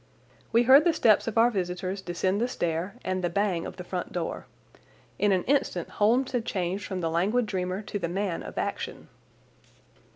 We heard the steps of our visitors descend the stair and the bang of the front door. In an instant Holmes had changed from the languid dreamer to the man of action.